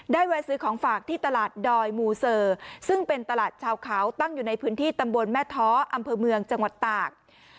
แวะซื้อของฝากที่ตลาดดอยมูเซอร์ซึ่งเป็นตลาดชาวเขาตั้งอยู่ในพื้นที่ตำบลแม่ท้ออำเภอเมืองจังหวัดตาก